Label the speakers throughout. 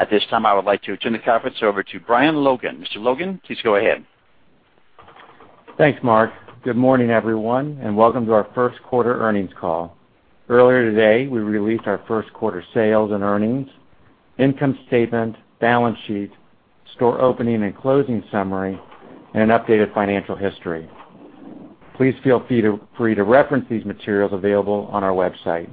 Speaker 1: At this time, I would like to turn the conference over to Brian Logan. Mr. Logan, please go ahead.
Speaker 2: Thanks, Mark. Good morning, everyone, and welcome to our first quarter earnings call. Earlier today, we released our first quarter sales and earnings, income statement, balance sheet, store opening and closing summary, and an updated financial history. Please feel free to reference these materials available on our website.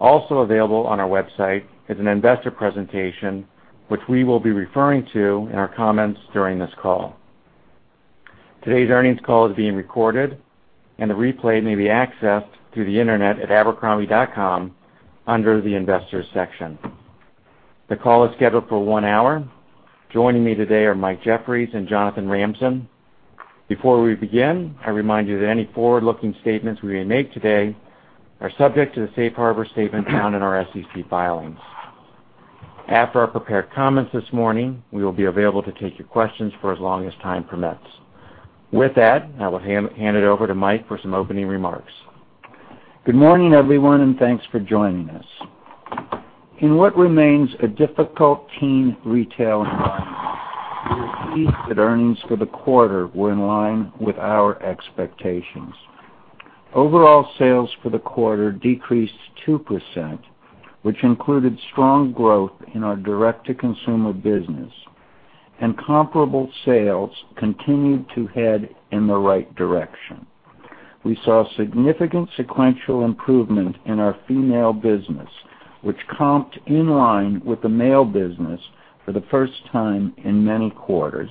Speaker 2: Also available on our website is an investor presentation, which we will be referring to in our comments during this call. Today's earnings call is being recorded, and the replay may be accessed through the internet at abercrombie.com under the investors section. The call is scheduled for one hour. Joining me today are Mike Jeffries and Jonathan Ramsden. Before we begin, I remind you that any forward-looking statements we may make today are subject to the safe harbor statement found in our SEC filings. After our prepared comments this morning, we will be available to take your questions for as long as time permits. With that, I will hand it over to Mike for some opening remarks.
Speaker 3: Good morning, everyone, and thanks for joining us. In what remains a difficult teen retail environment, we are pleased that earnings for the quarter were in line with our expectations. Overall sales for the quarter decreased 2%, which included strong growth in our direct-to-consumer business, and comparable sales continued to head in the right direction. We saw significant sequential improvement in our female business, which comped in line with the male business for the first time in many quarters,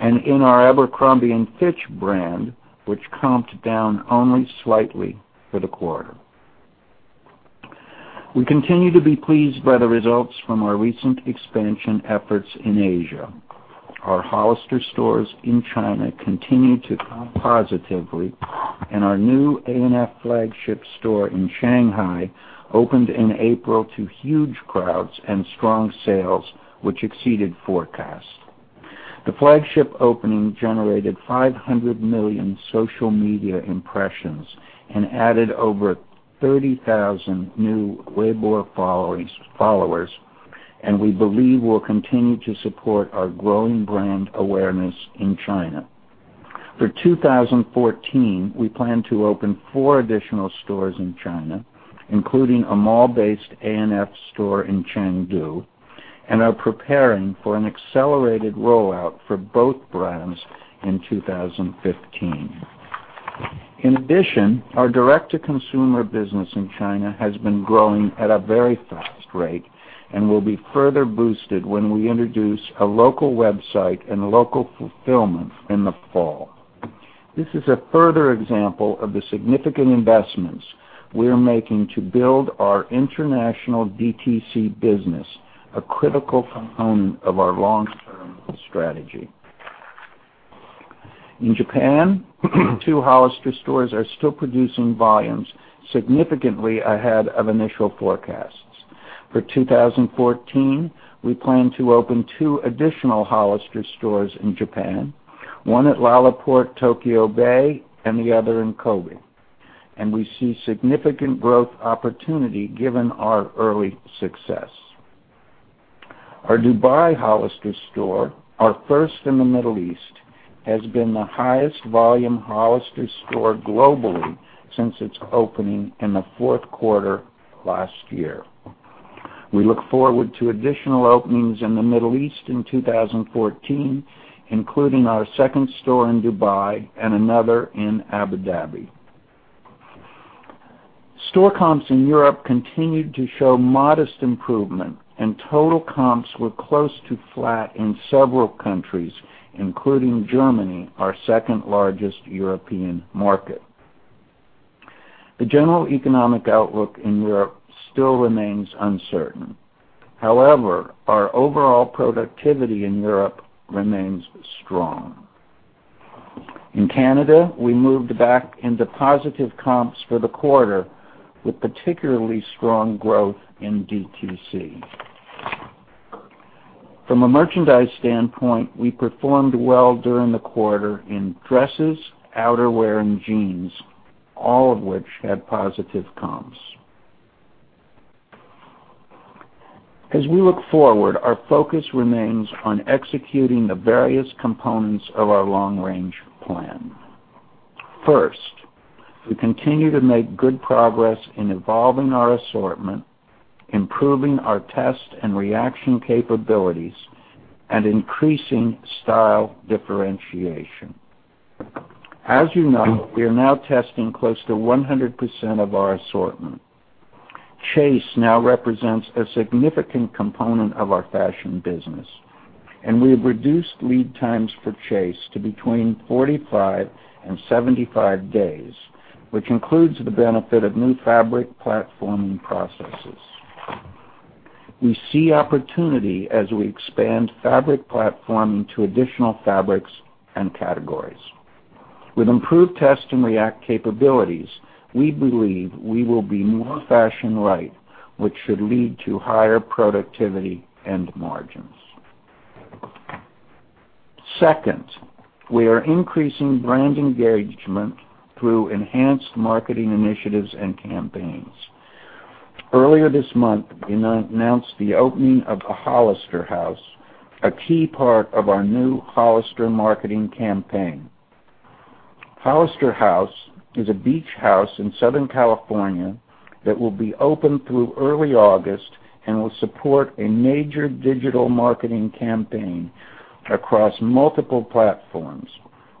Speaker 3: and in our Abercrombie & Fitch brand, which comped down only slightly for the quarter. We continue to be pleased by the results from our recent expansion efforts in Asia. Our Hollister stores in China continue to comp positively, and our new A&F flagship store in Shanghai opened in April to huge crowds and strong sales, which exceeded forecasts. The flagship opening generated 500 million social media impressions and added over 30,000 new Weibo followers. We believe will continue to support our growing brand awareness in China. For 2014, we plan to open four additional stores in China, including a mall-based A&F store in Chengdu, and are preparing for an accelerated rollout for both brands in 2015. In addition, our direct-to-consumer business in China has been growing at a very fast rate and will be further boosted when we introduce a local website and local fulfillment in the fall. This is a further example of the significant investments we are making to build our international DTC business, a critical component of our long-term strategy. In Japan, two Hollister stores are still producing volumes significantly ahead of initial forecasts. For 2014, we plan to open two additional Hollister stores in Japan, one at LaLaport TOKYO-BAY and the other in Kobe. We see significant growth opportunity given our early success. Our Dubai Hollister store, our first in the Middle East, has been the highest volume Hollister store globally since its opening in the fourth quarter last year. We look forward to additional openings in the Middle East in 2014, including our second store in Dubai and another in Abu Dhabi. Store comps in Europe continued to show modest improvement, and total comps were close to flat in several countries, including Germany, our second-largest European market. The general economic outlook in Europe still remains uncertain. However, our overall productivity in Europe remains strong. In Canada, we moved back into positive comps for the quarter with particularly strong growth in DTC. From a merchandise standpoint, we performed well during the quarter in dresses, outerwear, and jeans, all of which had positive comps. As we look forward, our focus remains on executing the various components of our long-range plan. First, we continue to make good progress in evolving our assortment, improving our test and reaction capabilities, and increasing style differentiation. As you know, we are now testing close to 100% of our assortment. Chase now represents a significant component of our fashion business, and we have reduced lead times for Chase to between 45 and 75 days, which includes the benefit of new fabric platforming processes. We see opportunity as we expand fabric platform into additional fabrics and categories. With improved test and react capabilities, we believe we will be more fashion-right, which should lead to higher productivity and margins. Second, we are increasing brand engagement through enhanced marketing initiatives and campaigns. Earlier this month, we announced the opening of a Hollister House, a key part of our new Hollister marketing campaign. Hollister House is a beach house in Southern California that will be open through early August and will support a major digital marketing campaign across multiple platforms,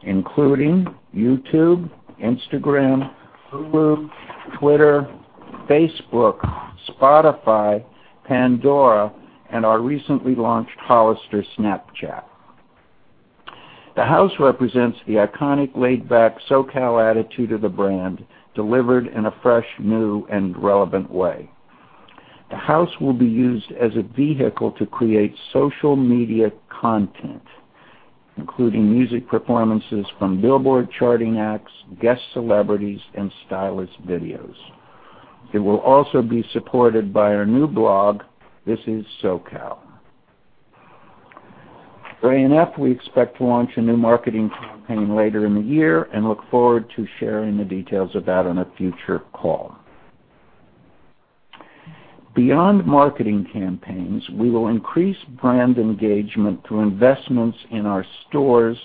Speaker 3: including YouTube, Instagram, Hulu, Twitter, Facebook, Spotify, Pandora, and our recently launched Hollister Snapchat. The house represents the iconic, laid-back SoCal attitude of the brand, delivered in a fresh, new, and relevant way. The house will be used as a vehicle to create social media content, including music performances from Billboard charting acts, guest celebrities, and stylist videos. It will also be supported by our new blog, This Is SoCal. For ANF, we expect to launch a new marketing campaign later in the year and look forward to sharing the details of that on a future call. Beyond marketing campaigns, we will increase brand engagement through investments in our stores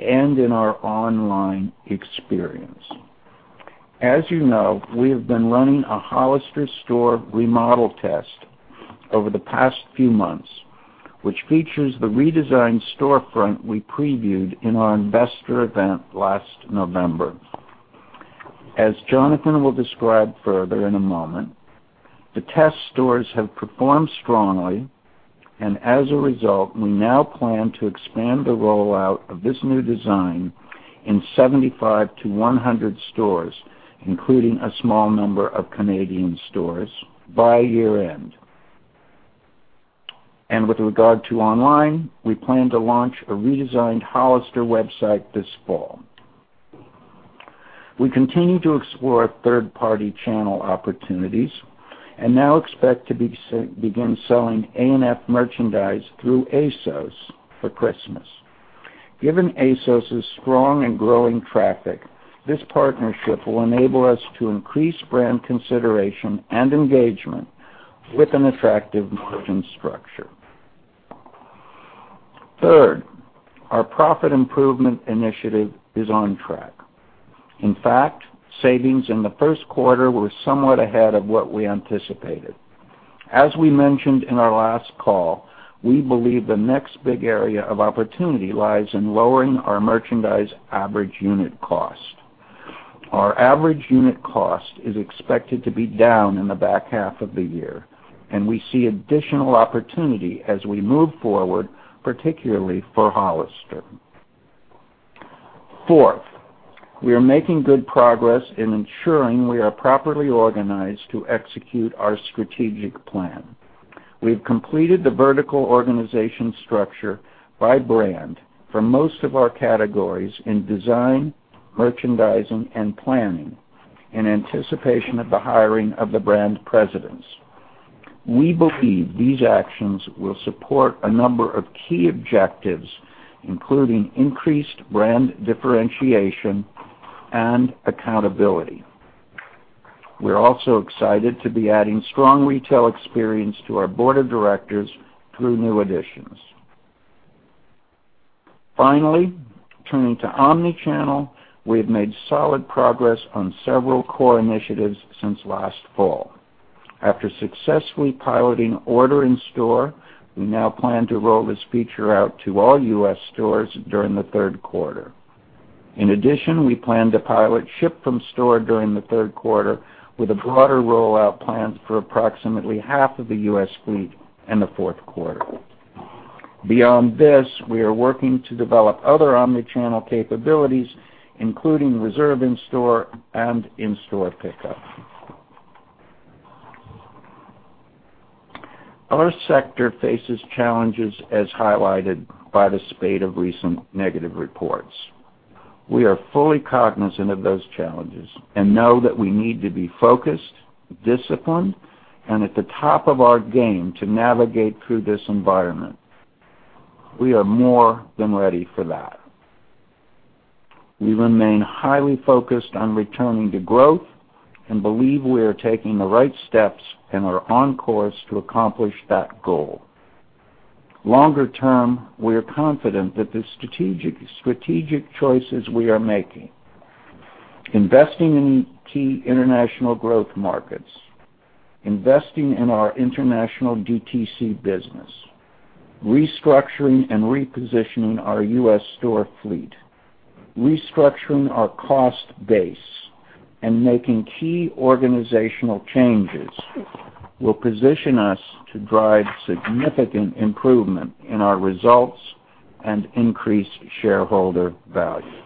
Speaker 3: and in our online experience. As you know, we have been running a Hollister store remodel test over the past few months, which features the redesigned storefront we previewed in our investor event last November. As Jonathan will describe further in a moment, the test stores have performed strongly, and as a result, we now plan to expand the rollout of this new design in 75-100 stores, including a small number of Canadian stores, by year-end. With regard to online, we plan to launch a redesigned Hollister website this fall. We continue to explore third-party channel opportunities and now expect to begin selling ANF merchandise through ASOS for Christmas. Given ASOS' strong and growing traffic, this partnership will enable us to increase brand consideration and engagement with an attractive margin structure. Third, our profit improvement initiative is on track. In fact, savings in the first quarter were somewhat ahead of what we anticipated. As we mentioned in our last call, we believe the next big area of opportunity lies in lowering our merchandise average unit cost. Our average unit cost is expected to be down in the back half of the year, and we see additional opportunity as we move forward, particularly for Hollister. Fourth, we are making good progress in ensuring we are properly organized to execute our strategic plan. We've completed the vertical organization structure by brand for most of our categories in design, merchandising, and planning in anticipation of the hiring of the brand presidents. We believe these actions will support a number of key objectives, including increased brand differentiation and accountability. We're also excited to be adding strong retail experience to our board of directors through new additions. Finally, turning to omnichannel, we have made solid progress on several core initiatives since last fall. After successfully piloting order in store, we now plan to roll this feature out to all U.S. stores during the third quarter. In addition, we plan to pilot ship from store during the third quarter with a broader rollout planned for approximately half of the U.S. fleet in the fourth quarter. Beyond this, we are working to develop other omnichannel capabilities, including reserve in store and in-store pickup. Our sector faces challenges, as highlighted by the spate of recent negative reports. We are fully cognizant of those challenges and know that we need to be focused, disciplined, and at the top of our game to navigate through this environment. We are more than ready for that. We remain highly focused on returning to growth and believe we are taking the right steps and are on course to accomplish that goal. Longer term, we are confident that the strategic choices we are making, investing in key international growth markets, investing in our international DTC business, restructuring and repositioning our U.S. store fleet, restructuring our cost base, and making key organizational changes will position us to drive significant improvement in our results and increase shareholder value.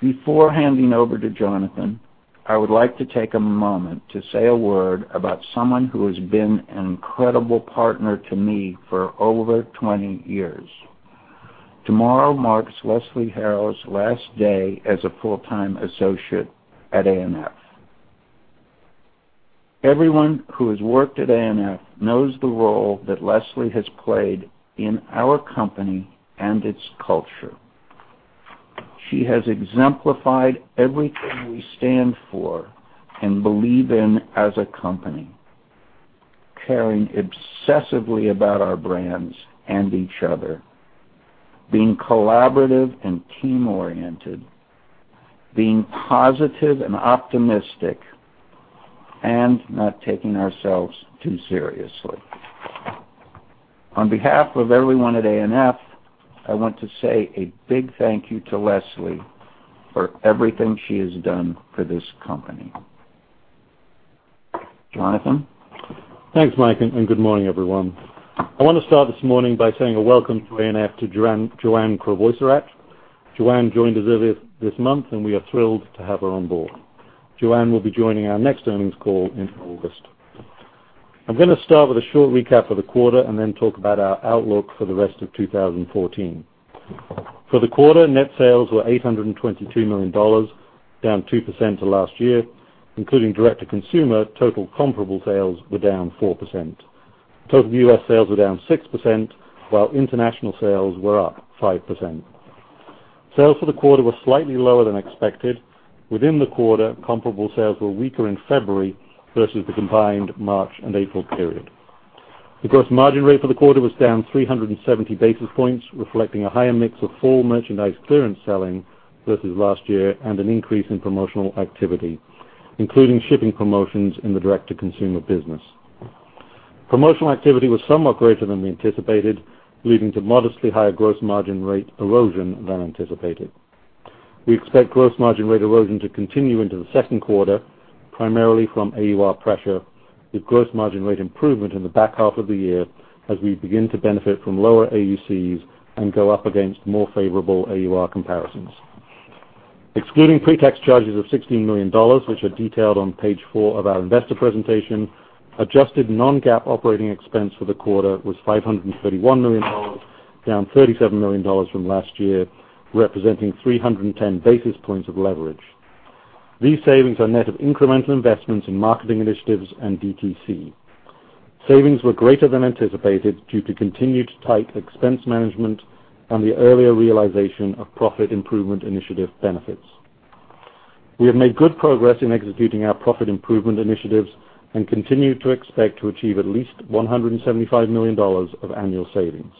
Speaker 3: Before handing over to Jonathan, I would like to take a moment to say a word about someone who has been an incredible partner to me for over 20 years. Tomorrow marks Lesley Hawkins's last day as a full-time associate at ANF. Everyone who has worked at ANF knows the role that Lesley has played in our company and its culture. She has exemplified everything we stand for and believe in as a company. Caring obsessively about our brands and each other, being collaborative and team-oriented, being positive and optimistic, and not taking ourselves too seriously. On behalf of everyone at ANF, I want to say a big thank you to Lesley for everything she has done for this company. Jonathan?
Speaker 4: Thanks, Mike. Good morning, everyone. I want to start this morning by saying a welcome to ANF to Joanne Crevoiserat. Joanne joined us earlier this month, and we are thrilled to have her on board. Joanne will be joining our next earnings call in August. I'm going to start with a short recap of the quarter and then talk about our outlook for the rest of 2014. For the quarter, net sales were $822 million, down 2% to last year. Including direct-to-consumer, total comparable sales were down 4%. Total U.S. sales were down 6%, while international sales were up 5%. Sales for the quarter were slightly lower than expected. Within the quarter, comparable sales were weaker in February versus the combined March and April period. The gross margin rate for the quarter was down 370 basis points, reflecting a higher mix of fall merchandise clearance selling versus last year, an increase in promotional activity, including shipping promotions in the direct-to-consumer business. Promotional activity was somewhat greater than we anticipated, leading to modestly higher gross margin rate erosion than anticipated. We expect gross margin rate erosion to continue into the second quarter, primarily from AUR pressure, with gross margin rate improvement in the back half of the year as we begin to benefit from lower AUCs and go up against more favorable AUR comparisons. Excluding pre-tax charges of $16 million, which are detailed on Page 4 of our investor presentation, adjusted non-GAAP operating expense for the quarter was $531 million, down $37 million from last year, representing 310 basis points of leverage. These savings are net of incremental investments in marketing initiatives and DTC. Savings were greater than anticipated due to continued tight expense management, the earlier realization of profit improvement initiative benefits. We have made good progress in executing our profit improvement initiatives and continue to expect to achieve at least $175 million of annual savings.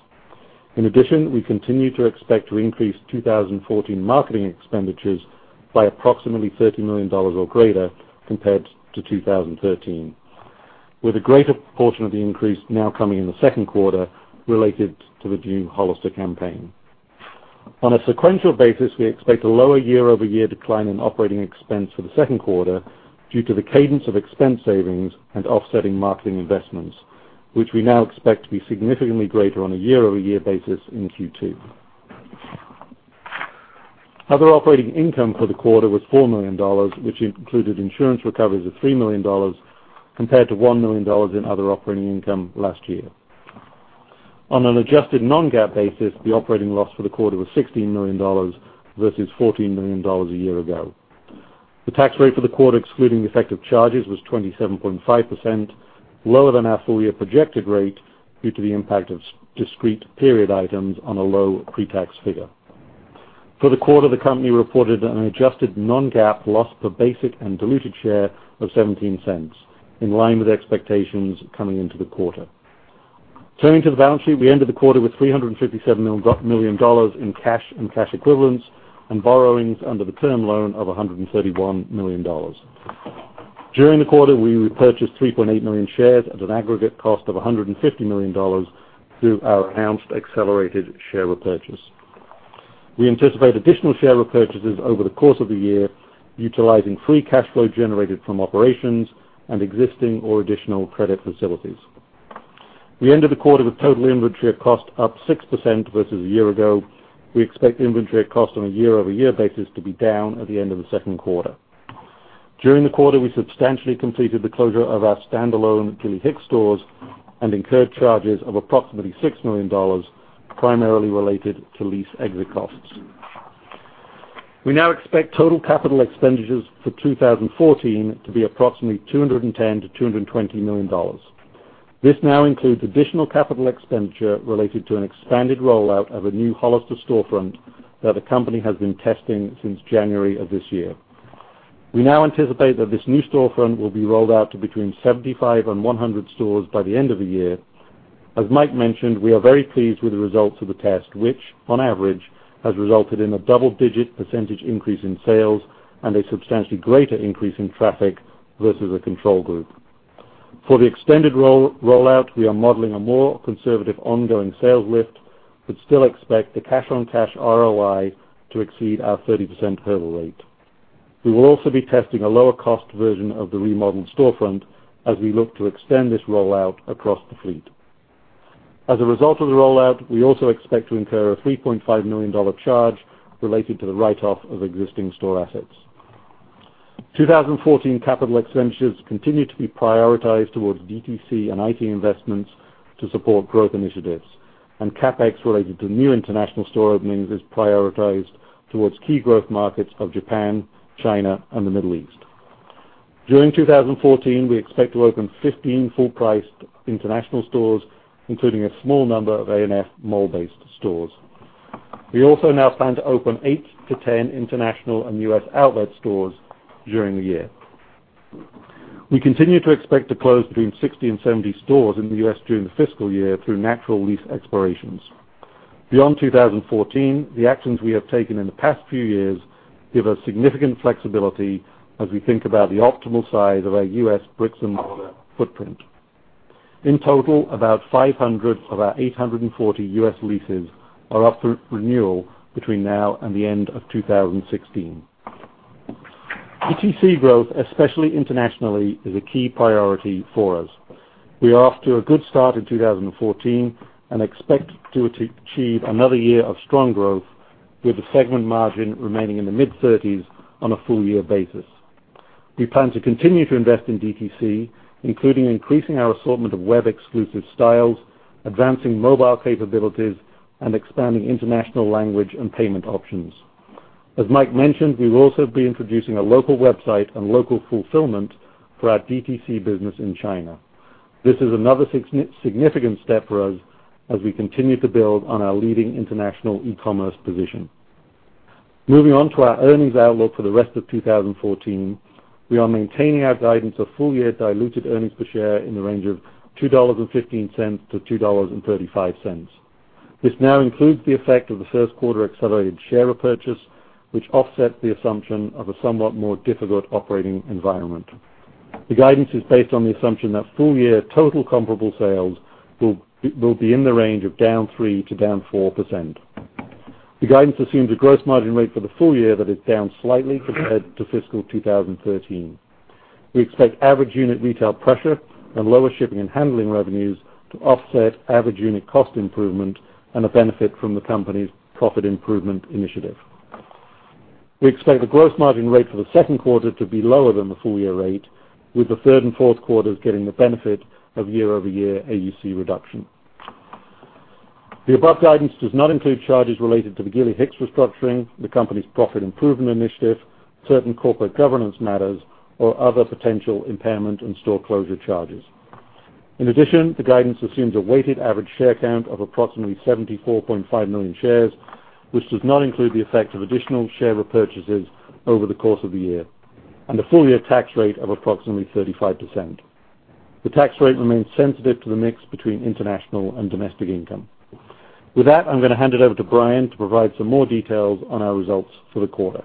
Speaker 4: In addition, we continue to expect to increase 2014 marketing expenditures by approximately $30 million or greater compared to 2013, with a greater portion of the increase now coming in the second quarter related to the new Hollister campaign. On a sequential basis, we expect a lower year-over-year decline in operating expense for the second quarter due to the cadence of expense savings and offsetting marketing investments, which we now expect to be significantly greater on a year-over-year basis in Q2. Other operating income for the quarter was $4 million, which included insurance recoveries of $3 million, compared to $1 million in other operating income last year. On an adjusted non-GAAP basis, the operating loss for the quarter was $16 million versus $14 million a year ago. The tax rate for the quarter, excluding the effect of charges, was 27.5%, lower than our full-year projected rate due to the impact of discrete period items on a low pre-tax figure. For the quarter, the company reported an adjusted non-GAAP loss per basic and diluted share of $0.17, in line with expectations coming into the quarter. Turning to the balance sheet, we ended the quarter with $357 million in cash and cash equivalents and borrowings under the term loan of $131 million. During the quarter, we repurchased 3.8 million shares at an aggregate cost of $150 million through our announced accelerated share repurchase. We anticipate additional share repurchases over the course of the year, utilizing free cash flow generated from operations and existing or additional credit facilities. We ended the quarter with total inventory at cost up 6% versus a year ago. We expect inventory at cost on a year-over-year basis to be down at the end of the second quarter. During the quarter, we substantially completed the closure of our standalone Gilly Hicks stores and incurred charges of approximately $6 million, primarily related to lease exit costs. We now expect total CapEx for 2014 to be approximately $210 million-$220 million. This now includes additional CapEx related to an expanded rollout of a new Hollister storefront that the company has been testing since January of this year. We now anticipate that this new storefront will be rolled out to between 75-100 stores by the end of the year. As Mike mentioned, we are very pleased with the results of the test, which on average, has resulted in a double-digit percentage increase in sales and a substantially greater increase in traffic versus a control group. For the extended rollout, we are modeling a more conservative ongoing sales lift, but still expect the cash-on-cash ROI to exceed our 30% hurdle rate. We will also be testing a lower-cost version of the remodeled storefront as we look to extend this rollout across the fleet. As a result of the rollout, we also expect to incur a $3.5 million charge related to the write-off of existing store assets. 2014 CapEx continue to be prioritized towards DTC and IT investments to support growth initiatives. CapEx related to new international store openings is prioritized towards key growth markets of Japan, China, and the Middle East. During 2014, we expect to open 15 full-priced international stores, including a small number of A&F mall-based stores. We also now plan to open 8-10 international and U.S. outlet stores during the year. We continue to expect to close between 60-70 stores in the U.S. during the fiscal year through natural lease expirations. Beyond 2014, the actions we have taken in the past few years give us significant flexibility as we think about the optimal size of our U.S. bricks-and-mortar footprint. In total, about 500 of our 840 U.S. leases are up for renewal between now and the end of 2016. DTC growth, especially internationally, is a key priority for us. We are off to a good start in 2014 and expect to achieve another year of strong growth with the segment margin remaining in the mid-30s on a full-year basis. We plan to continue to invest in DTC, including increasing our assortment of web-exclusive styles, advancing mobile capabilities, and expanding international language and payment options. As Mike mentioned, we will also be introducing a local website and local fulfillment for our DTC business in China. This is another significant step for us as we continue to build on our leading international e-commerce position. Moving on to our earnings outlook for the rest of 2014. We are maintaining our guidance of full-year diluted earnings per share in the range of $2.15-$2.35. This now includes the effect of the first quarter accelerated share repurchase, which offsets the assumption of a somewhat more difficult operating environment. The guidance is based on the assumption that full-year total comparable sales will be in the range of down 3%-4%. The guidance assumes a gross margin rate for the full year that is down slightly compared to fiscal 2013. We expect average unit retail pressure and lower shipping and handling revenues to offset average unit cost improvement and a benefit from the company's profit improvement initiative. We expect the gross margin rate for the second quarter to be lower than the full-year rate, with the third and fourth quarters getting the benefit of year-over-year AUC reduction. The above guidance does not include charges related to the Gilly Hicks restructuring, the company's profit improvement initiative, certain corporate governance matters, or other potential impairment and store closure charges. In addition, the guidance assumes a weighted average share count of approximately 74.5 million shares, which does not include the effect of additional share repurchases over the course of the year, and a full-year tax rate of approximately 35%. The tax rate remains sensitive to the mix between international and domestic income. With that, I'm going to hand it over to Brian to provide some more details on our results for the quarter.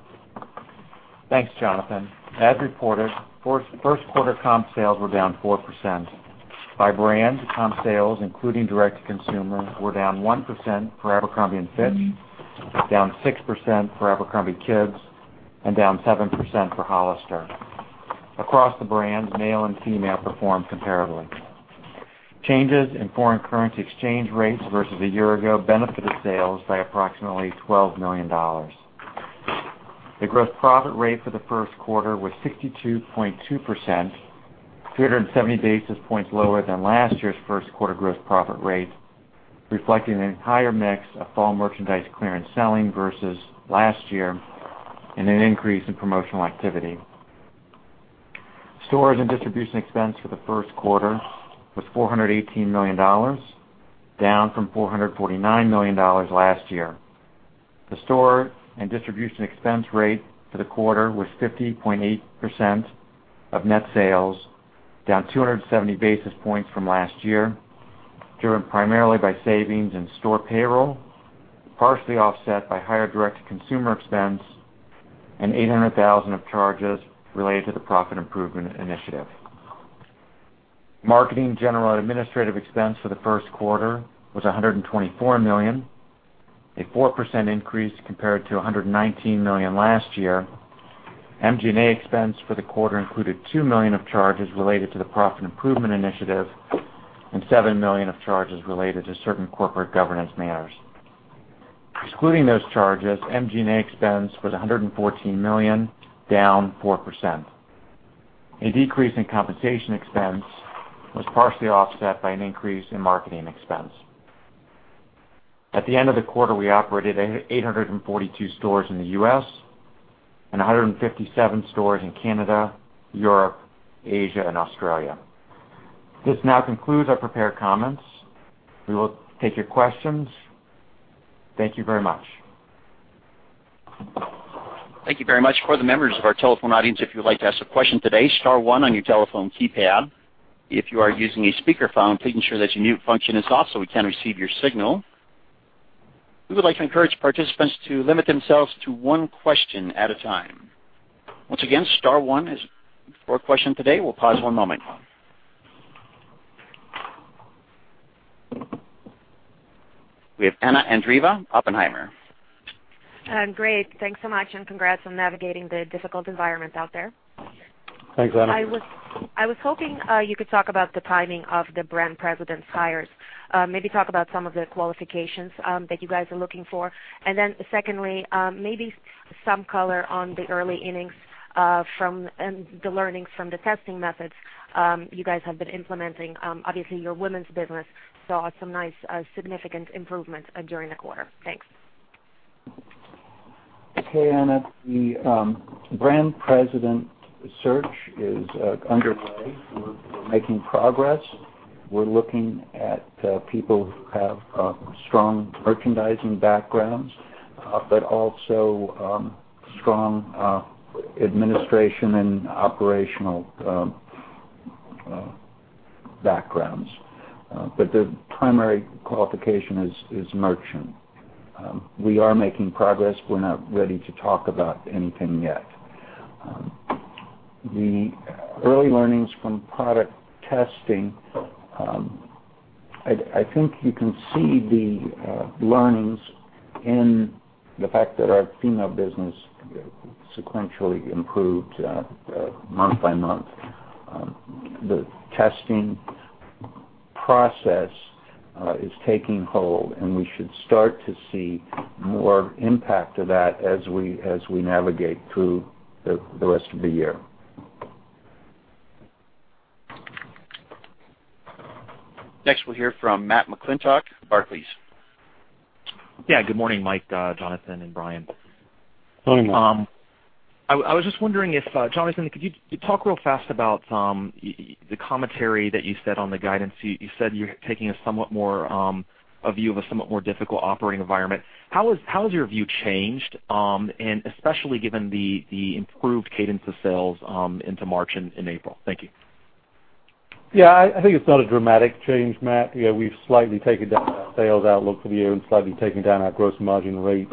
Speaker 2: Thanks, Jonathan. As reported, first quarter comp sales were down 4%. By brand, comp sales, including direct-to-consumer, were down 1% for Abercrombie & Fitch, down 6% for abercrombie kids, and down 7% for Hollister. Across the brands, male and female performed comparably. Changes in foreign currency exchange rates versus a year ago benefited sales by approximately $12 million. The gross profit rate for the first quarter was 62.2%, 370 basis points lower than last year's first quarter gross profit rate, reflecting an entire mix of fall merchandise clearance selling versus last year and an increase in promotional activity. Store and distribution expense for the first quarter was $418 million, down from $449 million last year. The store and distribution expense rate for the quarter was 50.8% of net sales, down 270 basis points from last year, driven primarily by savings in store payroll, partially offset by higher direct-to-consumer expense and $800,000 of charges related to the profit improvement initiative. Marketing, general, and administrative expense for the first quarter was $124 million, a 4% increase compared to $119 million last year. MG&A expense for the quarter included $2 million of charges related to the profit improvement initiative and $7 million of charges related to certain corporate governance matters. Excluding those charges, MG&A expense was $114 million, down 4%. A decrease in compensation expense was partially offset by an increase in marketing expense. At the end of the quarter, we operated 842 stores in the U.S. and 157 stores in Canada, Europe, Asia, and Australia. This now concludes our prepared comments. We will take your questions. Thank you very much.
Speaker 1: Thank you very much. For the members of our telephone audience, if you would like to ask a question today, star one on your telephone keypad. If you are using a speakerphone, please ensure that your mute function is off so we can receive your signal. We would like to encourage participants to limit themselves to one question at a time. Once again, star one for a question today. We'll pause one moment. We have Anna Andreeva, Oppenheimer.
Speaker 5: Great. Thanks so much, congrats on navigating the difficult environment out there.
Speaker 4: Thanks, Anna.
Speaker 5: I was hoping you could talk about the timing of the brand president hires. Maybe talk about some of the qualifications that you guys are looking for. Secondly, maybe some color on the early innings from the learnings from the testing methods you guys have been implementing. Obviously, your women's business saw some nice significant improvements during the quarter. Thanks.
Speaker 3: Okay, Anna. The brand president search is underway. We're making progress. We're looking at people who have strong merchandising backgrounds, but also strong administration and operational backgrounds. The primary qualification is merchant. We are making progress. We're not ready to talk about anything yet. The early learnings from product testing, I think you can see the learnings in the fact that our female business sequentially improved month by month. The testing process is taking hold, and we should start to see more impact of that as we navigate through the rest of the year.
Speaker 1: Next, we'll hear from Matthew McClintock, Barclays.
Speaker 6: Good morning, Mike Jeffries, Jonathan Ramsden, and Brian P. Logan.
Speaker 3: Morning, Matthew McClintock.
Speaker 6: I was just wondering if, Jonathan Ramsden, could you talk real fast about the commentary that you said on the guidance. You said you're taking a view of a somewhat more difficult operating environment. How has your view changed, and especially given the improved cadence of sales into March and April? Thank you.
Speaker 4: I think it's not a dramatic change, Matthew McClintock. We've slightly taken down our sales outlook for the year and slightly taken down our gross margin rate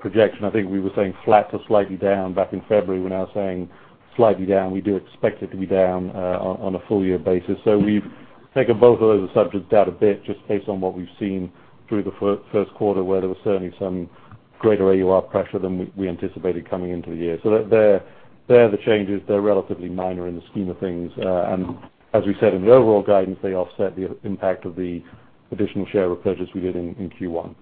Speaker 4: projection. I think we were saying flat to slightly down back in February. We're now saying slightly down. We do expect it to be down on a full year basis. We've taken both of those subjects down a bit just based on what we've seen through the first quarter, where there was certainly some greater AUR pressure than we anticipated coming into the year. They're the changes. They're relatively minor in the scheme of things. As we said in the overall guidance, they offset the impact of the additional share repurchase we did in Q1.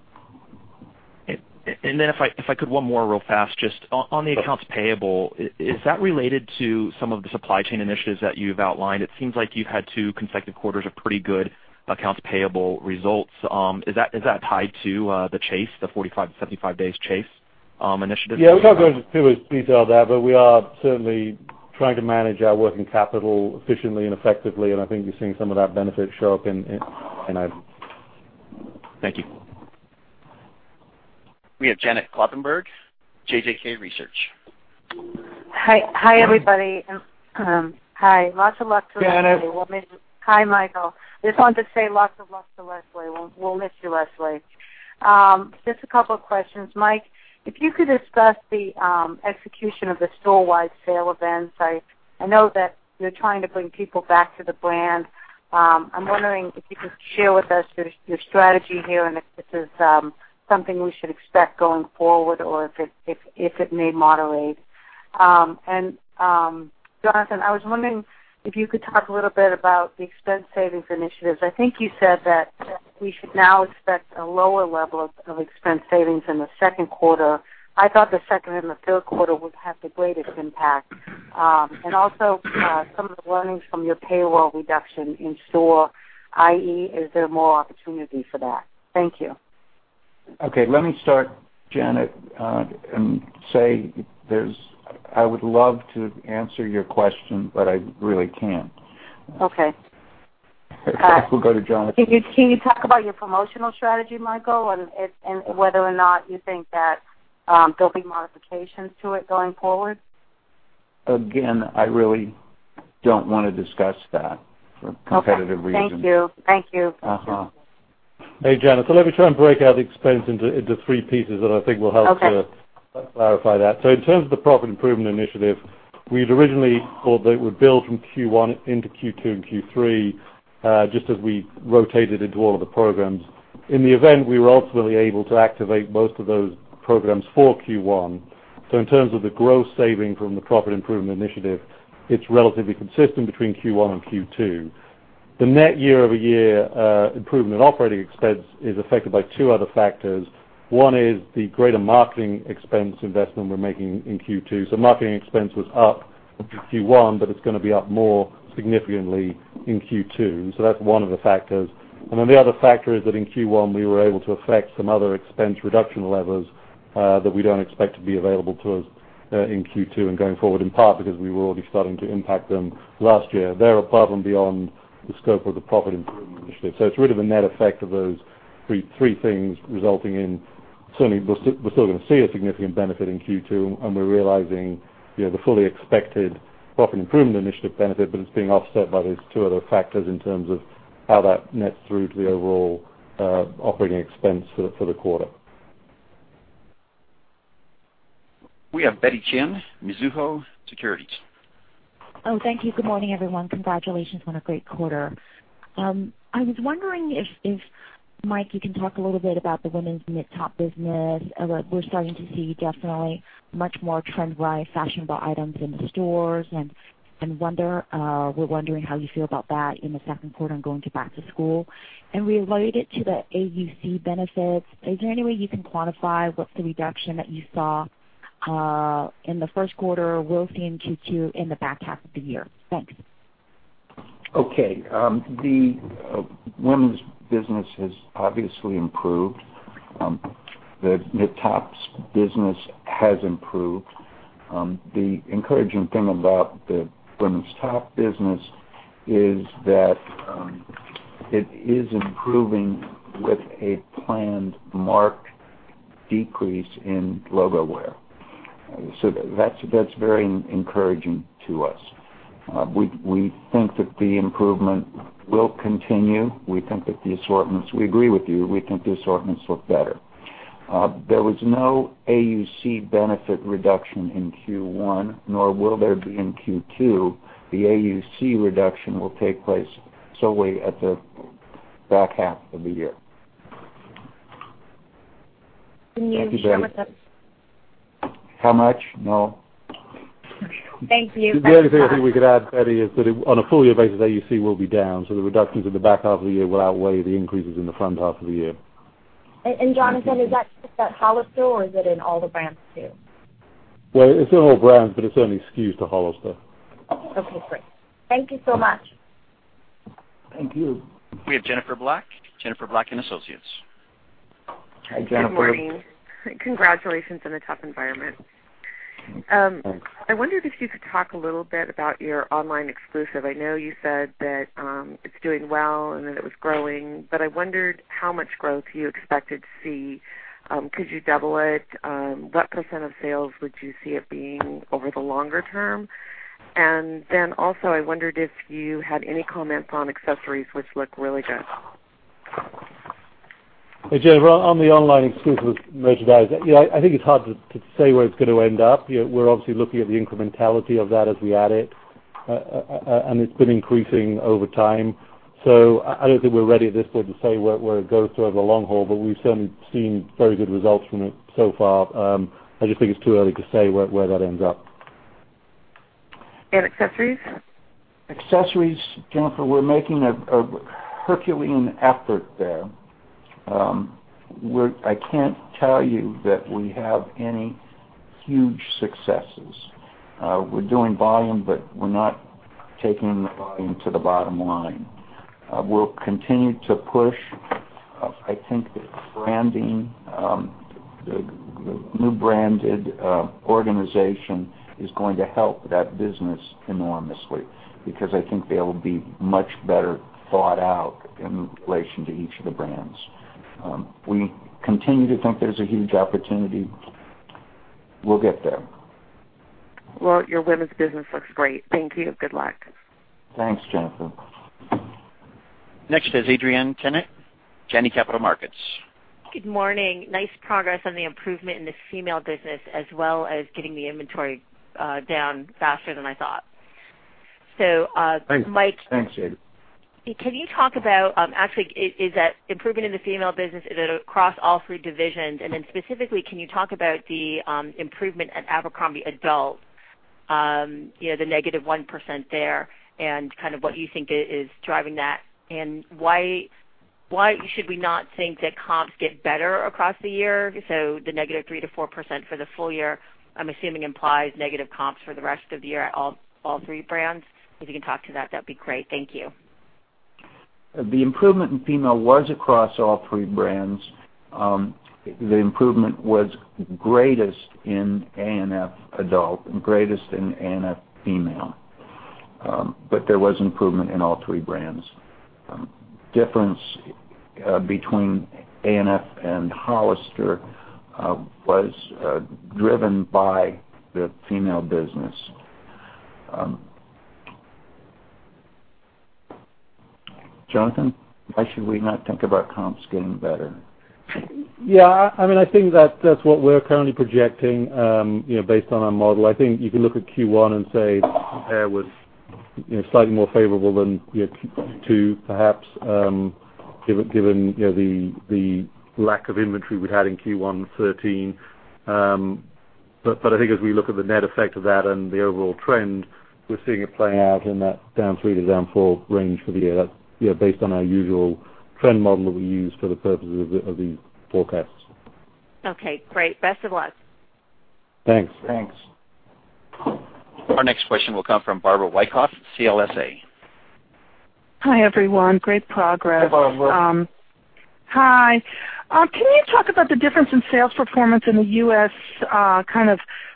Speaker 6: If I could, one more real fast. Just on the accounts payable, is that related to some of the supply chain initiatives that you've outlined? It seems like you've had two consecutive quarters of pretty good accounts payable results. Is that tied to the chase, the 45 to 75 days chase initiative that you have?
Speaker 4: Yeah, we're not going to go too detailed there, but we are certainly trying to manage our working capital efficiently and effectively, and I think you're seeing some of that benefit show up in Q1.
Speaker 6: Thank you.
Speaker 1: We have Janet Kloppenburg, JJK Research.
Speaker 7: Hi, everybody.
Speaker 3: Janet.
Speaker 7: Hi, Michael. Just wanted to say lots of luck to Lesley. We'll miss you, Lesley. Just a couple of questions. Mike, if you could discuss the execution of the storewide sale events. I know that you're trying to bring people back to the brand. I'm wondering if you could share with us your strategy here and if this is something we should expect going forward or if it may moderate. Jonathan, I was wondering if you could talk a little bit about the expense savings initiatives. I think you said that we should now expect a lower level of expense savings in the second quarter. I thought the second and the third quarter would have the greatest impact. Also, some of the learnings from your payroll reduction in store, i.e., is there more opportunity for that? Thank you.
Speaker 3: Okay. Let me start, Janet, and say I would love to answer your question, but I really can't.
Speaker 7: Okay.
Speaker 3: I think we'll go to Jonathan.
Speaker 7: Can you talk about your promotional strategy, Mike, and whether or not you think that there'll be modifications to it going forward?
Speaker 3: Again, I really don't want to discuss that for competitive reasons.
Speaker 7: Okay. Thank you.
Speaker 4: Hey, Janet. Let me try and break out the expense into three pieces that I think will help.
Speaker 7: Okay
Speaker 4: To clarify that. In terms of the Profit Improvement Initiative, we'd originally thought that it would build from Q1 into Q2 and Q3, just as we rotated into all of the programs. In the event, we were ultimately able to activate most of those programs for Q1. In terms of the gross saving from the Profit Improvement Initiative, it's relatively consistent between Q1 and Q2. The net year-over-year improvement in operating expense is affected by two other factors. One is the greater marketing expense investment we're making in Q2. Marketing expense was up in Q1, but it's going to be up more significantly in Q2. That's one of the factors. The other factor is that in Q1, we were able to effect some other expense reduction levers that we don't expect to be available to us in Q2 and going forward, in part because we were already starting to impact them last year. They're above and beyond the scope of the Profit Improvement Initiative. It's really the net effect of those three things resulting in certainly we're still going to see a significant benefit in Q2, and we're realizing the fully expected Profit Improvement Initiative benefit, but it's being offset by these two other factors in terms of how that nets through to the overall operating expense for the quarter.
Speaker 1: We have Betty Chen, Mizuho Securities.
Speaker 8: Oh, thank you. Good morning, everyone. Congratulations on a great quarter. I was wondering if, Mike, you can talk a little bit about the women's mid-top business. We're starting to see definitely much more trend-right fashionable items in the stores, and we're wondering how you feel about that in the second quarter and going to back to school. Related to the AUC benefits, is there any way you can quantify what's the reduction that you saw in the first quarter we'll see in Q2 in the back half of the year? Thanks.
Speaker 3: Okay. The women's business has obviously improved. The tops business has improved. The encouraging thing about the women's top business is that it is improving with a planned marked decrease in logo wear. That's very encouraging to us. We think that the improvement will continue. We agree with you. We think the assortments look better. There was no AUC benefit reduction in Q1, nor will there be in Q2. The AUC reduction will take place solely at the back half of the year.
Speaker 8: Can you share with us-
Speaker 3: How much? No.
Speaker 8: Thank you.
Speaker 4: The only thing I think we could add, Betty Chen, is that on a full year basis, AUC will be down. The reductions in the back half of the year will outweigh the increases in the front half of the year.
Speaker 8: Jonathan Ramsden, is that just at Hollister or is it in all the brands, too?
Speaker 4: Well, it's in all brands, but it's only skewed to Hollister.
Speaker 8: Okay, great. Thank you so much.
Speaker 3: Thank you.
Speaker 1: We have Jennifer Black, Jennifer Black & Associates.
Speaker 3: Hi, Jennifer.
Speaker 9: Good morning. Congratulations in the top environment.
Speaker 3: Thanks.
Speaker 9: I wondered if you could talk a little bit about your online exclusive. I know you said that it's doing well and that it was growing, but I wondered how much growth you expected to see. Could you double it? What % of sales would you see it being over the longer term? Also, I wondered if you had any comments on accessories, which look really good.
Speaker 4: Hey, Jennifer, on the online exclusive merchandise, I think it's hard to say where it's going to end up. We're obviously looking at the incrementality of that as we add it. It's been increasing over time. I don't think we're ready at this point to say where it goes over the long haul, but we've certainly seen very good results from it so far. I just think it's too early to say where that ends up.
Speaker 9: Accessories?
Speaker 3: Accessories, Jennifer, we're making a Herculean effort there. I can't tell you that we have any huge successes. We're doing volume, but we're not taking the volume to the bottom line. We'll continue to push. I think that branding, the new branded organization is going to help that business enormously because I think they'll be much better thought out in relation to each of the brands. We continue to think there's a huge opportunity. We'll get there.
Speaker 9: Well, your women's business looks great. Thank you. Good luck.
Speaker 3: Thanks, Jennifer.
Speaker 1: Next is Adrienne Yih, Janney Capital Markets.
Speaker 10: Good morning. Nice progress on the improvement in the female business, as well as getting the inventory down faster than I thought.
Speaker 3: Thanks. Thanks, Adrienne.
Speaker 10: Can you talk about, actually, is that improvement in the female business, is it across all three divisions? Specifically, can you talk about the improvement at Abercrombie adult, the -1% there and what you think is driving that, and why should we not think that comps get better across the year? The -3% to 4% for the full year, I'm assuming implies negative comps for the rest of the year at all three brands. If you can talk to that would be great. Thank you.
Speaker 3: The improvement in female was across all three brands. The improvement was greatest in A&F adult and greatest in A&F female. There was improvement in all three brands. Difference between A&F and Hollister was driven by the female business. Jonathan, why should we not think about comps getting better?
Speaker 4: Yeah. I think that is what we are currently projecting based on our model. I think you can look at Q1 and say the pair was slightly more favorable than Q2, perhaps, given the lack of inventory we had in Q1 2013. I think as we look at the net effect of that and the overall trend, we are seeing it play out in that down 3% to down 4% range for the year. That is based on our usual trend model that we use for the purposes of these forecasts.
Speaker 10: Okay, great. Best of luck.
Speaker 4: Thanks.
Speaker 3: Thanks.
Speaker 1: Our next question will come from Barbara Wyckoff, CLSA.
Speaker 11: Hi, everyone. Great progress.
Speaker 3: Hey, Barbara.
Speaker 11: Hi. Can you talk about the difference in sales performance in the U.S.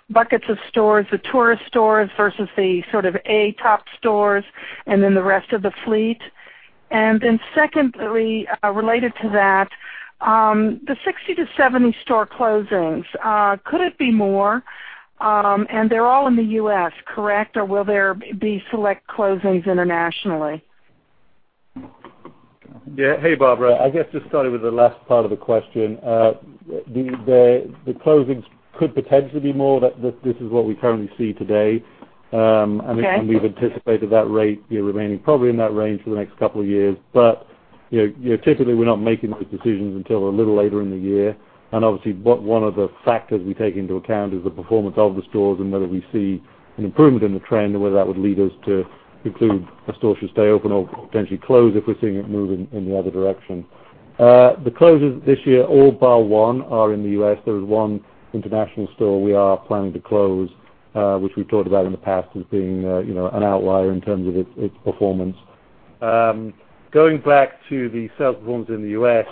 Speaker 11: buckets of stores, the tourist stores versus the sort of A top stores, and then the rest of the fleet? Secondly, related to that, the 60-70 store closings, could it be more? They're all in the U.S., correct? Will there be select closings internationally?
Speaker 4: Hey, Barbara. I guess just starting with the last part of the question. The closings could potentially be more. This is what we currently see today.
Speaker 11: Okay.
Speaker 4: We've anticipated that rate remaining probably in that range for the next couple of years. Typically, we're not making those decisions until a little later in the year. Obviously, one of the factors we take into account is the performance of the stores and whether we see an improvement in the trend or whether that would lead us to conclude a store should stay open or potentially close if we're seeing it move in the other direction. The closures this year, all bar one are in the U.S. There is one international store we are planning to close, which we've talked about in the past as being an outlier in terms of its performance. Going back to the sales performance in the U.S.,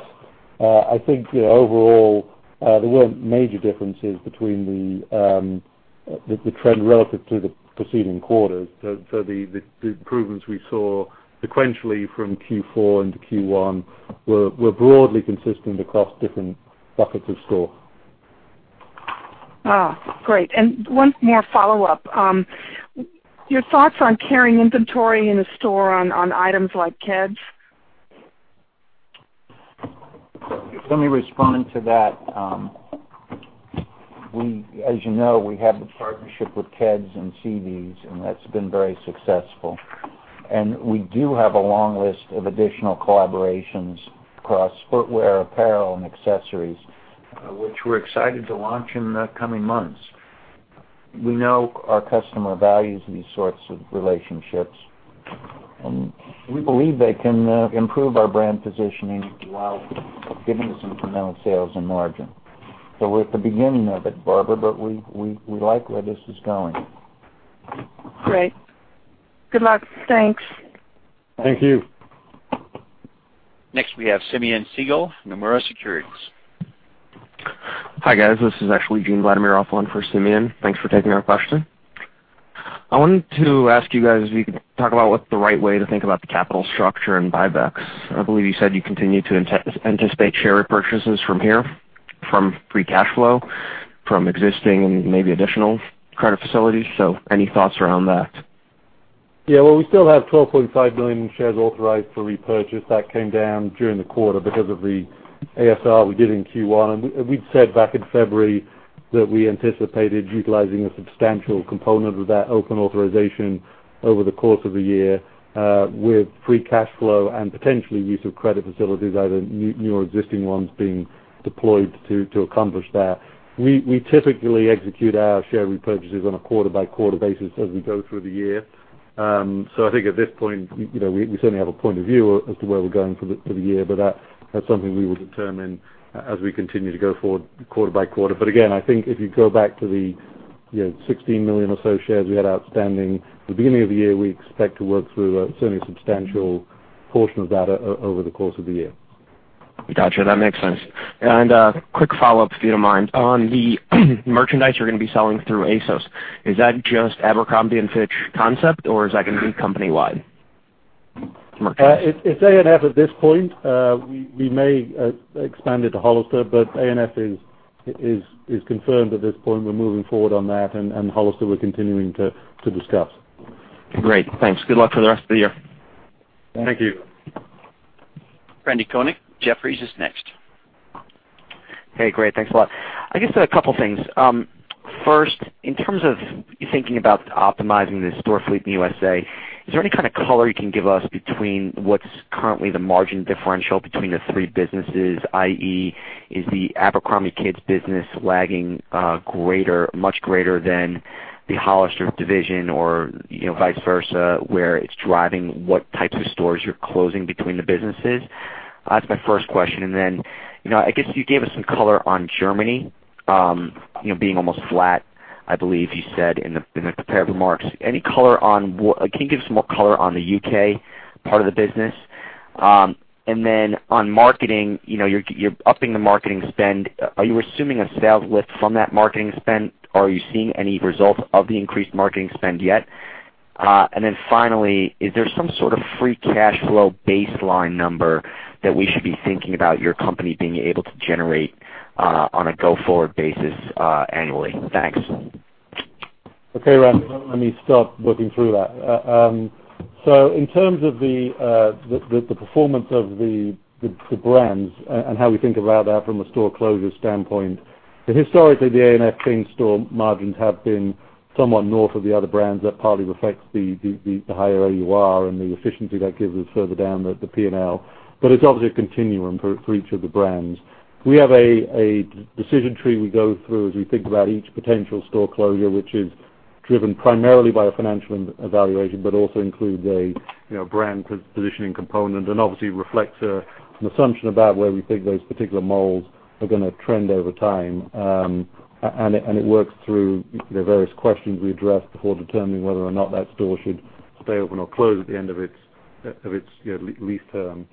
Speaker 4: I think overall, there weren't major differences between the trend relative to the preceding quarters. The improvements we saw sequentially from Q4 into Q1 were broadly consistent across different buckets of store.
Speaker 11: Great. One more follow-up. Your thoughts on carrying inventory in a store on items like Keds.
Speaker 3: Let me respond to that. As you know, we have the partnership with Keds and Keds, and that's been very successful. We do have a long list of additional collaborations across footwear, apparel, and accessories, which we're excited to launch in the coming months. We know our customer values these sorts of relationships, and we believe they can improve our brand positioning while giving us incremental sales and margin. We're at the beginning of it, Barbara, but we like where this is going.
Speaker 11: Great. Good luck. Thanks.
Speaker 4: Thank you.
Speaker 1: Next, we have Simeon Siegel, Nomura Securities.
Speaker 12: Hi, guys. This is actually Gene Vladimirov offline for Simeon. Thanks for taking our question. I wanted to ask you guys if you could talk about what the right way to think about the capital structure and buybacks. I believe you said you continue to anticipate share repurchases from here from free cash flow, from existing and maybe additional credit facilities. Any thoughts around that?
Speaker 4: Yeah. Well, we still have 12.5 million shares authorized for repurchase. That came down during the quarter because of the ASR we did in Q1. We'd said back in February that we anticipated utilizing a substantial component of that open authorization over the course of the year with free cash flow and potentially use of credit facilities, either new or existing ones being deployed to accomplish that. We typically execute our share repurchases on a quarter-by-quarter basis as we go through the year. I think at this point, we certainly have a point of view as to where we're going for the year, but that's something we will determine as we continue to go forward quarter by quarter. Again, I think if you go back to the 16 million or so shares we had outstanding at the beginning of the year, we expect to work through certainly a substantial portion of that over the course of the year.
Speaker 12: Got you. That makes sense. A quick follow-up, if you don't mind. On the merchandise you're going to be selling through ASOS, is that just Abercrombie & Fitch concept, or is that going to be company-wide merchandise?
Speaker 4: It's ANF at this point. We may expand it to Hollister, ANF is confirmed at this point. We're moving forward on that, Hollister, we're continuing to discuss.
Speaker 12: Great. Thanks. Good luck for the rest of the year.
Speaker 4: Thank you.
Speaker 1: Randal Konik, Jefferies is next.
Speaker 13: Hey, great. Thanks a lot. I guess a couple of things. First, in terms of thinking about optimizing the store fleet in the U.S.A., is there any kind of color you can give us between what's currently the margin differential between the three businesses, i.e., is the Abercrombie Kids business lagging much greater than the Hollister division or vice versa, where it's driving what types of stores you're closing between the businesses? That's my first question. I guess you gave us some color on Germany, being almost flat, I believe you said in the prepared remarks. Can you give us more color on the U.K. part of the business? On marketing, you're upping the marketing spend. Are you assuming a sales lift from that marketing spend? Are you seeing any results of the increased marketing spend yet? Finally, is there some sort of free cash flow baseline number that we should be thinking about your company being able to generate on a go-forward basis annually? Thanks.
Speaker 4: Okay, Randy. Let me start working through that. In terms of the performance of the brands and how we think about that from a store closure standpoint, historically, the ANF teen store margins have been somewhat north of the other brands. That partly reflects the higher AUR and the efficiency that gives us further down the P&L. It's obviously a continuum for each of the brands. We have a decision tree we go through as we think about each potential store closure, which is driven primarily by a financial evaluation, but also includes a brand positioning component and obviously reflects an assumption about where we think those particular malls are going to trend over time. It works through the various questions we address before determining whether or not that store should stay open or close at the end of its lease term.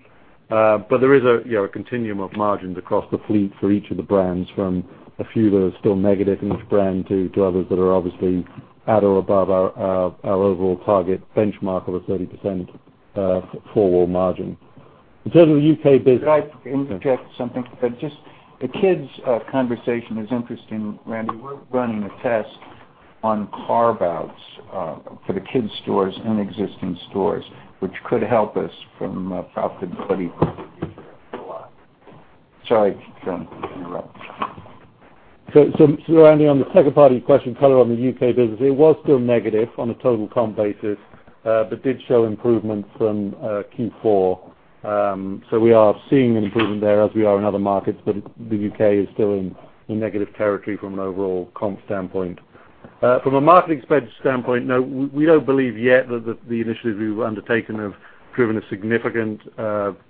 Speaker 4: There is a continuum of margins across the fleet for each of the brands, from a few that are still negative in each brand to others that are obviously at or above our overall target benchmark of a 30% full wall margin. In terms of the U.K. business.
Speaker 3: Could I interject something? Just the kids conversation is interesting, Randy. We're running a test on carve-outs for the kids' stores in existing stores, which could help us from a profitability point of view a lot. Sorry to interrupt.
Speaker 4: Randy, on the second part of your question, color on the U.K. business. It was still negative on a total comp basis, but did show improvement from Q4. We are seeing an improvement there as we are in other markets, but the U.K. is still in negative territory from an overall comp standpoint. From a marketing spend standpoint, no, we don't believe yet that the initiatives we've undertaken have driven a significant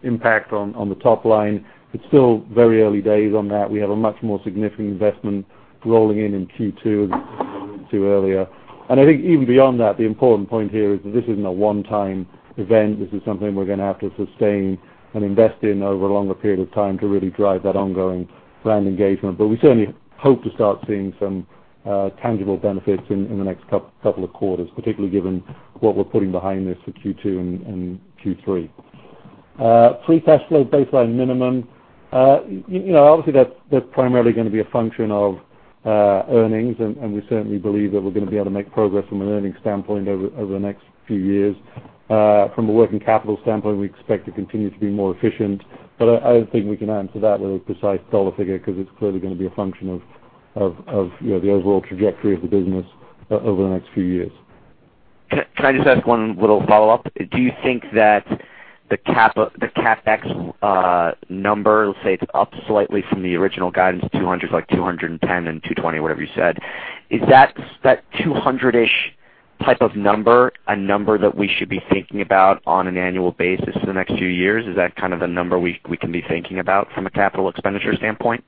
Speaker 4: impact on the top line. It's still very early days on that. We have a much more significant investment rolling in Q2 as we referred to earlier. I think even beyond that, the important point here is that this isn't a one-time event. This is something we're going to have to sustain and invest in over a longer period of time to really drive that ongoing brand engagement. We certainly hope to start seeing some tangible benefits in the next couple of quarters, particularly given what we're putting behind this for Q2 and Q3. Free cash flow baseline minimum. Obviously, that's primarily going to be a function of earnings, and we certainly believe that we're going to be able to make progress from an earnings standpoint over the next few years. From a working capital standpoint, we expect to continue to be more efficient. I don't think we can answer that with a precise dollar figure because it's clearly going to be a function of the overall trajectory of the business over the next few years.
Speaker 13: Can I just ask one little follow-up? Do you think that the CapEx number, let's say it's up slightly from the original guidance of $200, like $210 and $220, whatever you said. Is that $200-ish type of number, a number that we should be thinking about on an annual basis for the next few years? Is that kind of the number we can be thinking about from a capital expenditure standpoint?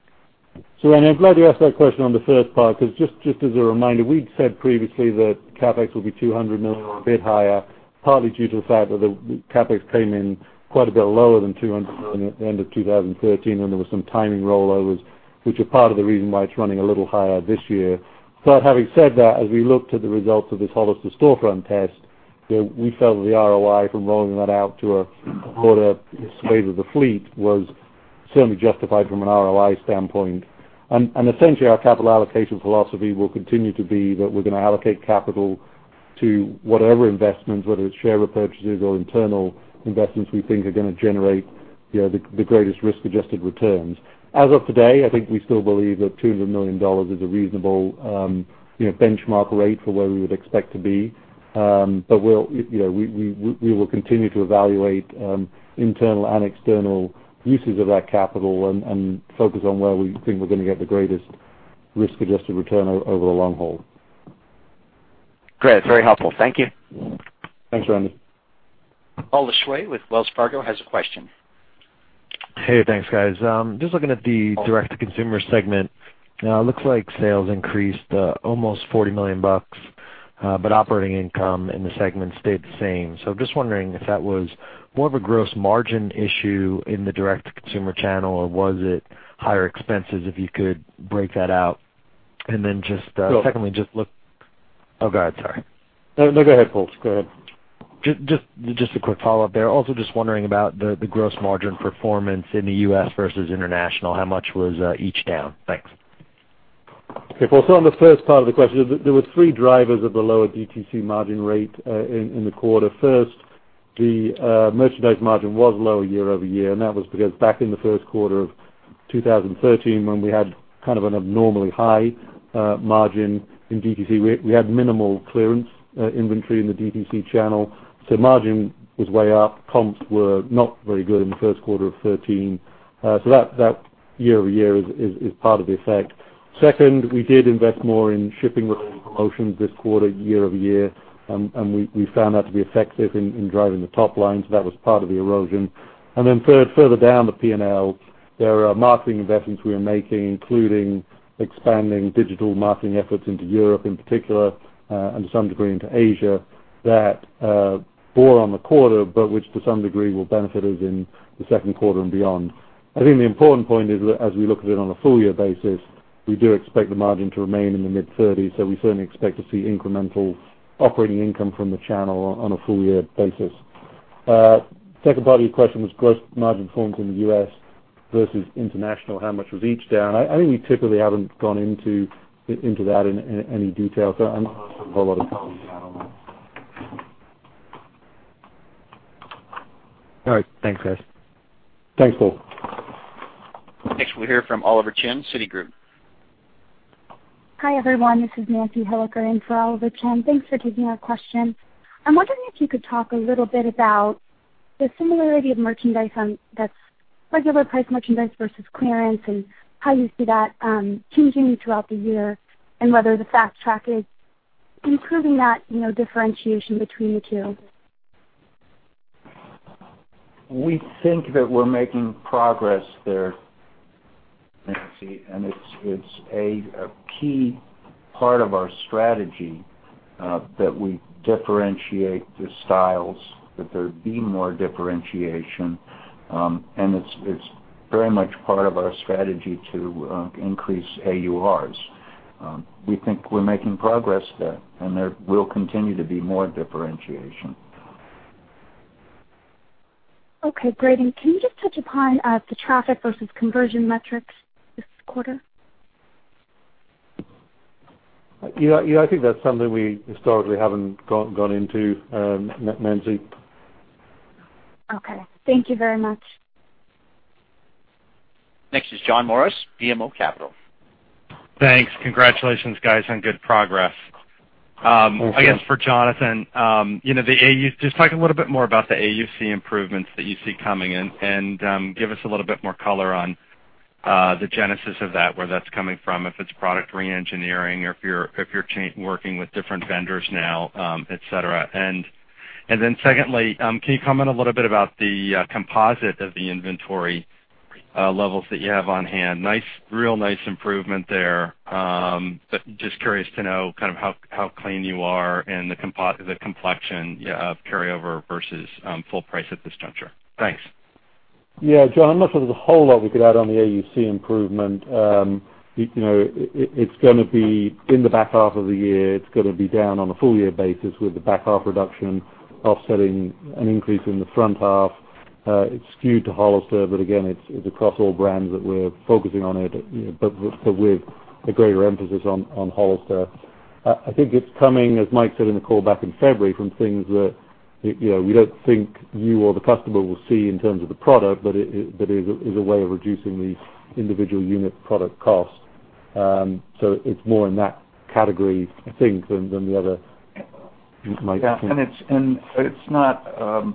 Speaker 4: I'm glad you asked that question on the first part, because just as a reminder, we'd said previously that CapEx would be $200 million or a bit higher, partly due to the fact that the CapEx came in quite a bit lower than $200 million at the end of 2013, when there were some timing rollovers, which are part of the reason why it's running a little higher this year. Having said that, as we looked at the results of this Hollister storefront test, we felt that the ROI from rolling that out to a quarter swathe of the fleet was certainly justified from an ROI standpoint. Essentially, our capital allocation philosophy will continue to be that we're going to allocate capital to whatever investments, whether it's share repurchases or internal investments we think are going to generate the greatest risk-adjusted returns. As of today, I think we still believe that $200 million is a reasonable benchmark rate for where we would expect to be. We will continue to evaluate internal and external uses of that capital and focus on where we think we're going to get the greatest risk-adjusted return over the long haul.
Speaker 13: Great. That's very helpful. Thank you.
Speaker 4: Thanks, Randy.
Speaker 1: Paul Lejuez with Wells Fargo has a question.
Speaker 14: Hey, thanks, guys. Just looking at the direct-to-consumer segment. Now, it looks like sales increased almost $40 million, but operating income in the segment stayed the same. Just wondering if that was more of a gross margin issue in the direct consumer channel, or was it higher expenses, if you could break that out.
Speaker 4: So-
Speaker 14: Secondly, Oh, go ahead, sorry.
Speaker 4: No, go ahead, Paul. Go ahead.
Speaker 14: Just a quick follow-up there. Also, just wondering about the gross margin performance in the U.S. versus international. How much was each down? Thanks.
Speaker 4: Okay, Paul. On the first part of the question, there were three drivers of the lower DTC margin rate in the quarter. First, the merchandise margin was lower year-over-year, and that was because back in the first quarter of 2013, when we had kind of an abnormally high margin in DTC, we had minimal clearance inventory in the DTC channel. Margin was way up. Comps were not very good in the first quarter of 2013. That year-over-year is part of the effect. Second, we did invest more in shipping promotions this quarter year-over-year, and we found that to be effective in driving the top line. That was part of the erosion. Further down the P&L, there are marketing investments we are making, including expanding digital marketing efforts into Europe in particular, and to some degree into Asia. That bore on the quarter, which to some degree, will benefit us in the second quarter and beyond. I think the important point is that as we look at it on a full year basis, we do expect the margin to remain in the mid-30s. We certainly expect to see incremental operating income from the channel on a full year basis. Second part of your question was gross margin performance in the U.S. versus international. How much was each down? I think we typically haven't gone into that in any detail, I'm not going to have a lot of color for you now on that.
Speaker 14: All right. Thanks, guys.
Speaker 4: Thanks, Paul.
Speaker 1: Next, we'll hear from Oliver Chen, Citigroup.
Speaker 15: Hi, everyone. This is Nancy Hilliker in for Oliver Chen. Thanks for taking our question. I'm wondering if you could talk a little bit about the similarity of regular price merchandise versus clearance, and how you see that changing throughout the year, and whether the fast track is improving that differentiation between the two.
Speaker 3: We think that we're making progress there, Nancy. It's a key part of our strategy that we differentiate the styles, that there be more differentiation. It's very much part of our strategy to increase AURs. We think we're making progress there, and there will continue to be more differentiation.
Speaker 15: Okay, great. Can you just touch upon the traffic versus conversion metrics this quarter?
Speaker 4: Yeah. I think that's something we historically haven't gone into, Nancy.
Speaker 15: Okay. Thank you very much.
Speaker 1: Next is John Morris, BMO Capital.
Speaker 16: Thanks. Congratulations, guys, on good progress. I guess for Jonathan. Just talk a little bit more about the AUC improvements that you see coming in, and give us a little bit more color on the genesis of that, where that's coming from, if it's product re-engineering, or if you're working with different vendors now, et cetera. Secondly, can you comment a little bit about the composite of the inventory levels that you have on hand? Real nice improvement there. Just curious to know how clean you are and the complexion of carryover versus full price at this juncture. Thanks.
Speaker 4: Yeah. John, I'm not sure there's a whole lot we could add on the AUC improvement. It's going to be in the back half of the year. It's going to be down on a full year basis, with the back half reduction offsetting an increase in the front half. It's skewed to Hollister, but again, it's across all brands that we're focusing on it, but with a greater emphasis on Hollister. I think it's coming, as Mike said in the call back in February, from things that we don't think you or the customer will see in terms of the product, but it is a way of reducing the individual unit product cost. It's more in that category, I think, than the other. Mike?
Speaker 3: Yeah. It's not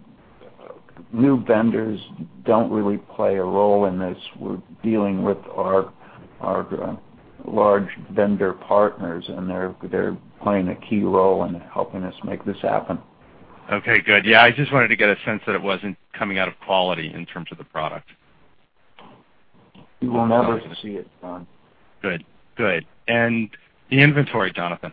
Speaker 3: new vendors don't really play a role in this. We're dealing with our large vendor partners, and they're playing a key role in helping us make this happen.
Speaker 16: Okay, good. Yeah. I just wanted to get a sense that it wasn't coming out of quality in terms of the product.
Speaker 3: You will never see it, John.
Speaker 16: Good. The inventory, Jonathan.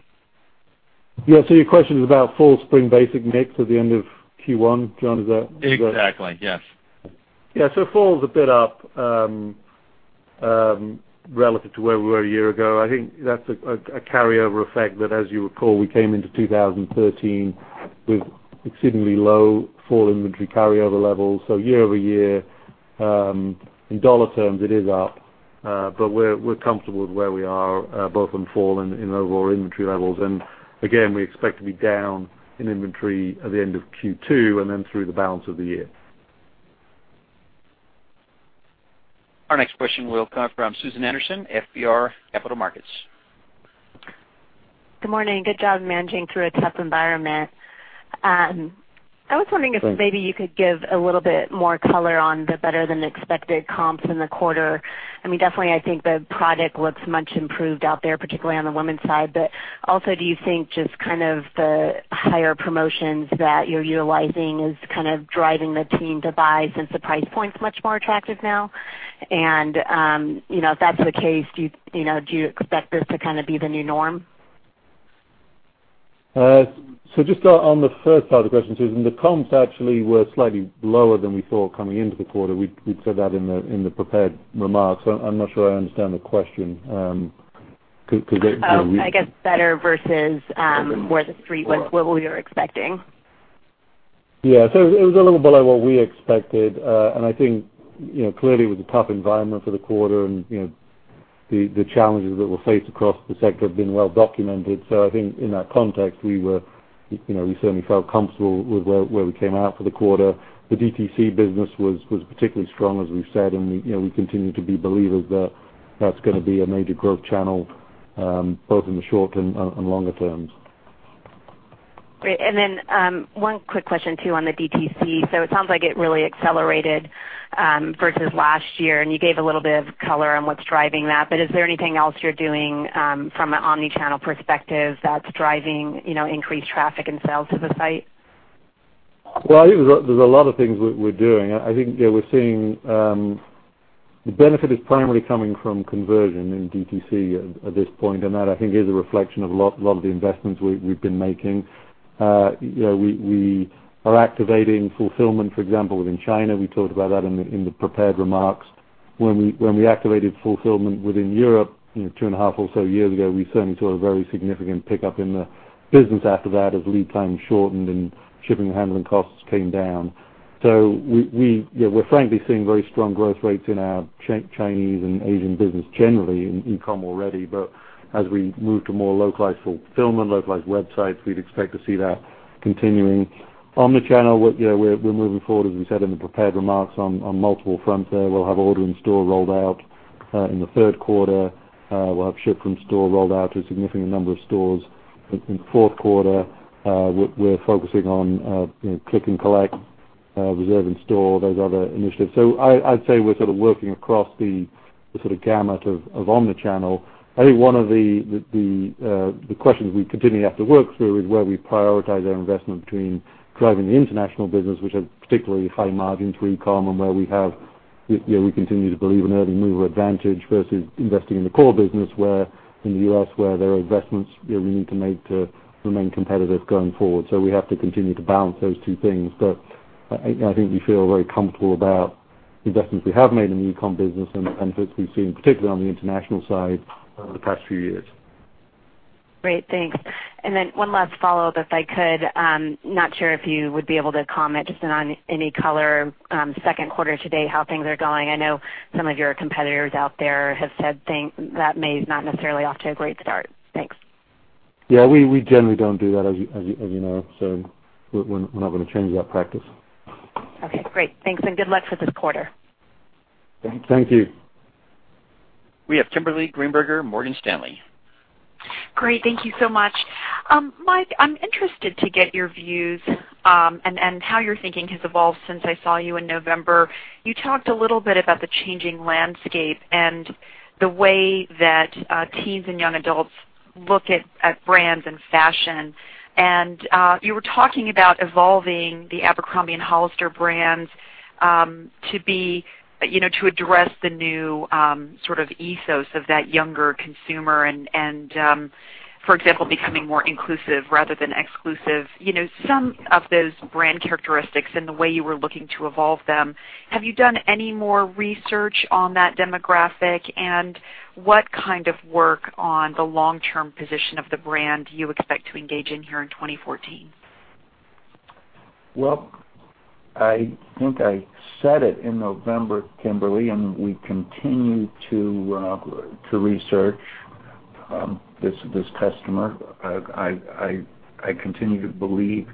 Speaker 4: Yeah. Your question is about fall spring basic mix at the end of Q1. John, is that?
Speaker 16: Exactly, yes.
Speaker 4: Yeah. Fall is a bit up, relative to where we were a year ago. I think that's a carryover effect that, as you recall, we came into 2013 with exceedingly low fall inventory carryover levels. Year-over-year, in dollar terms, it is up. We're comfortable with where we are, both in fall and in overall inventory levels. Again, we expect to be down in inventory at the end of Q2 and then through the balance of the year.
Speaker 1: Our next question will come from Susan Anderson, FBR Capital Markets.
Speaker 17: Good morning. Good job managing through a tough environment. I was wondering if maybe you could give a little bit more color on the better-than-expected comps in the quarter. Definitely, I think the product looks much improved out there, particularly on the women's side. Also, do you think just the higher promotions that you're utilizing is driving the team to buy since the price point is much more attractive now? If that's the case, do you expect this to be the new norm?
Speaker 4: Just on the first part of the question, Susan, the comps actually were slightly lower than we thought coming into the quarter. We'd said that in the prepared remarks. I'm not sure I understand the question.
Speaker 17: I guess better versus where the Street was, what we were expecting.
Speaker 4: It was a little below what we expected. I think clearly it was a tough environment for the quarter and the challenges that were faced across the sector have been well documented. I think in that context, we certainly felt comfortable with where we came out for the quarter. The DTC business was particularly strong, as we've said, and we continue to be believers that that's going to be a major growth channel, both in the short and longer terms.
Speaker 17: Great. One quick question too on the DTC. It sounds like it really accelerated versus last year, and you gave a little bit of color on what's driving that. Is there anything else you're doing from an omnichannel perspective that's driving increased traffic and sales to the site?
Speaker 4: I think there's a lot of things we're doing. I think we're seeing the benefit is primarily coming from conversion in DTC at this point, and that I think is a reflection of a lot of the investments we've been making. We are activating fulfillment, for example, within China. We talked about that in the prepared remarks. When we activated fulfillment within Europe two and a half or so years ago, we certainly saw a very significant pickup in the business after that as lead times shortened and shipping and handling costs came down. We're frankly seeing very strong growth rates in our Chinese and Asian business generally in e-com already. As we move to more localized fulfillment, localized websites, we'd expect to see that continuing. Omnichannel, we're moving forward, as we said in the prepared remarks on multiple fronts there. We'll have order in store rolled out in the third quarter. We'll have ship from store rolled out to a significant number of stores in the fourth quarter. We're focusing on click and collect, reserve in store, those other initiatives. I'd say we're sort of working across the gamut of omnichannel. I think one of the questions we continually have to work through is where we prioritize our investment between driving the international business, which are particularly high margins, e-com, and where we continue to believe in early mover advantage versus investing in the core business in the U.S., where there are investments we need to make to remain competitive going forward. We have to continue to balance those two things. I think we feel very comfortable about the investments we have made in the e-com business and the benefits we've seen, particularly on the international side over the past few years.
Speaker 17: Great. Thanks. One last follow-up, if I could. Not sure if you would be able to comment just on any color, second quarter to date, how things are going. I know some of your competitors out there have said that may not necessarily be off to a great start. Thanks.
Speaker 4: Yeah, we generally don't do that, as you know. We're not going to change that practice.
Speaker 17: Okay, great. Thanks. Good luck for this quarter.
Speaker 4: Thank you.
Speaker 1: We have Kimberly Greenberger, Morgan Stanley.
Speaker 18: Great. Thank you so much. Mike, I'm interested to get your views, and how your thinking has evolved since I saw you in November. You talked a little bit about the changing landscape and the way that teens and young adults look at brands and fashion. You were talking about evolving the Abercrombie and Hollister brands to address the new sort of ethos of that younger consumer and, for example, becoming more inclusive rather than exclusive. Some of those brand characteristics and the way you were looking to evolve them, have you done any more research on that demographic? What kind of work on the long-term position of the brand do you expect to engage in here in 2014?
Speaker 3: Well, I think I said it in November, Kimberly, we continue to research this customer. I continue to believe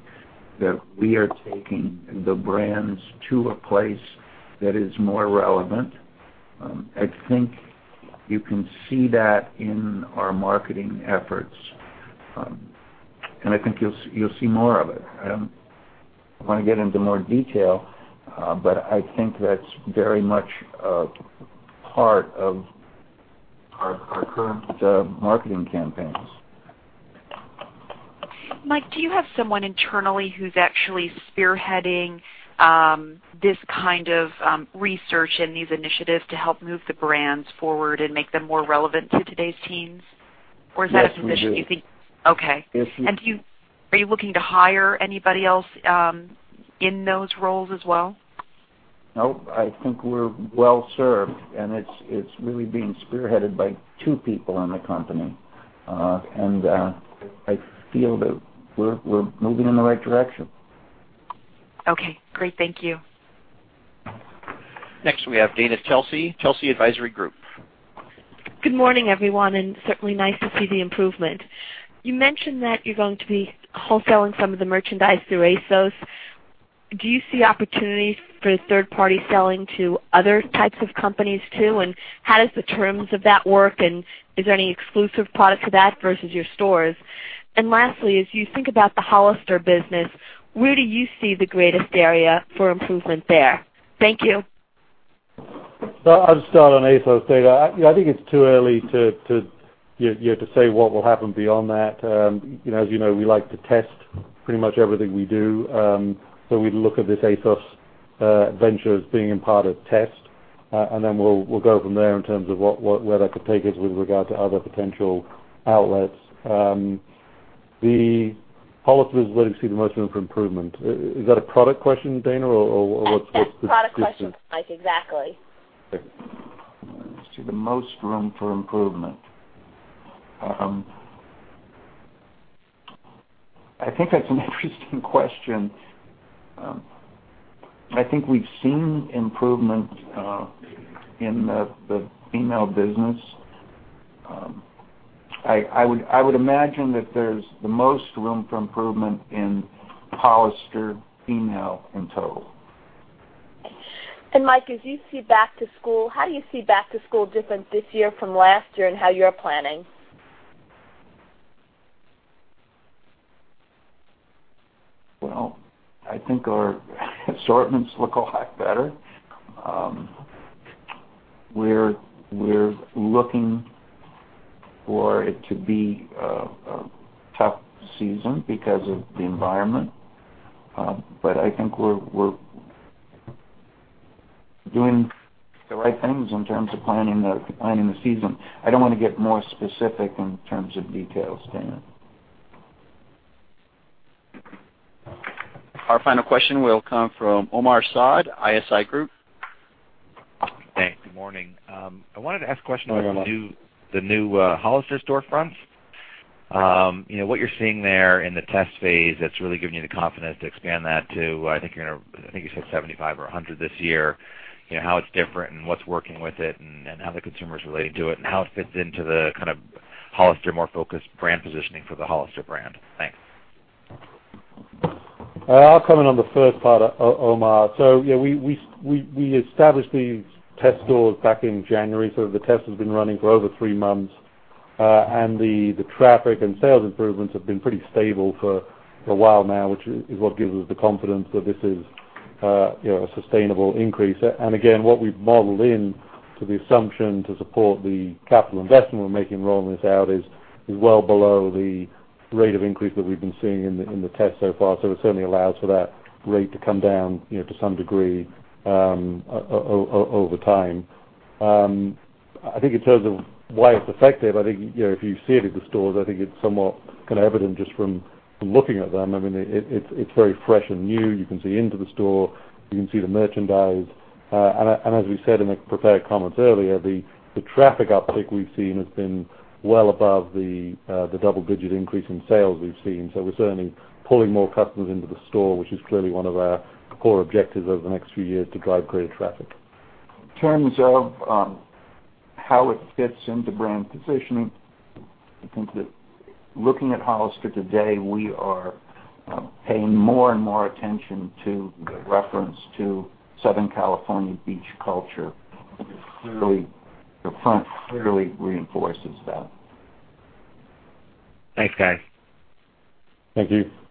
Speaker 3: that we are taking the brands to a place that is more relevant. I think you can see that in our marketing efforts, I think you'll see more of it. I want to get into more detail, I think that's very much a part of our current marketing campaigns.
Speaker 18: Mike, do you have someone internally who's actually spearheading this kind of research and these initiatives to help move the brands forward and make them more relevant to today's teens? Or is that a position you think
Speaker 3: Yes, we do.
Speaker 18: Okay.
Speaker 3: Yes, we do.
Speaker 18: Are you looking to hire anybody else in those roles as well?
Speaker 3: No, I think we're well-served, and it's really being spearheaded by two people in the company. I feel that we're moving in the right direction.
Speaker 18: Okay, great. Thank you.
Speaker 1: Next, we have Dana Telsey Advisory Group.
Speaker 19: Good morning, everyone, certainly nice to see the improvement. You mentioned that you're going to be wholesaling some of the merchandise through ASOS. Do you see opportunities for third-party selling to other types of companies, too? How does the terms of that work, and is there any exclusive product for that versus your stores? Lastly, as you think about the Hollister business, where do you see the greatest area for improvement there? Thank you.
Speaker 4: I'll just start on ASOS, Dana. I think it's too early to say what will happen beyond that. As you know, we like to test pretty much everything we do. We look at this ASOS venture as being in part a test. Then we'll go from there in terms of where that could take us with regard to other potential outlets. The Hollister is where we see the most room for improvement. Is that a product question, Dana? Or what's the-
Speaker 19: Yes. Product question, Mike. Exactly.
Speaker 4: Okay.
Speaker 3: See the most room for improvement. I think that's an interesting question. I think we've seen improvement in the female business. I would imagine that there's the most room for improvement in Hollister female in total.
Speaker 19: Mike, as you see back to school, how do you see back to school different this year from last year and how you're planning?
Speaker 3: Well, I think our assortments look a lot better. We're looking for it to be a tough season because of the environment. I think we're doing the right things in terms of planning the season. I don't want to get more specific in terms of details, Dana.
Speaker 1: Our final question will come from Omar Saad, Evercore ISI.
Speaker 20: Thanks. Good morning. I wanted to ask a question.
Speaker 4: Good morning, Omar.
Speaker 20: about the new Hollister storefront. What you're seeing there in the test phase that's really giving you the confidence to expand that to, I think you said 75 or 100 this year, how it's different and what's working with it, and how the consumer is relating to it, and how it fits into the kind of Hollister more focused brand positioning for the Hollister brand. Thanks.
Speaker 4: I'll comment on the first part, Omar. Yeah, we established these test stores back in January, the test has been running for over three months. The traffic and sales improvements have been pretty stable for a while now, which is what gives us the confidence that this is a sustainable increase. Again, what we've modeled into the assumption to support the capital investment we're making rolling this out is well below the rate of increase that we've been seeing in the test so far. It certainly allows for that rate to come down to some degree over time. I think in terms of why it's effective, I think if you see it at the stores, I think it's somewhat kind of evident just from looking at them. It's very fresh and new. You can see into the store. You can see the merchandise. As we said in the prepared comments earlier, the traffic uptick we've seen has been well above the double-digit increase in sales we've seen. We're certainly pulling more customers into the store, which is clearly one of our core objectives over the next few years to drive greater traffic.
Speaker 3: In terms of how it fits into brand positioning, I think that looking at Hollister today, we are paying more and more attention to the reference to Southern California beach culture. The front clearly reinforces that.
Speaker 20: Thanks, guys.
Speaker 4: Thank you.